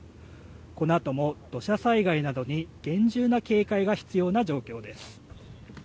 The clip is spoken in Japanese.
このあとも土砂災害などに厳重な警戒が必要な状況です。